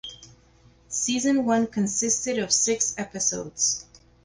Season one consisted of six episodes.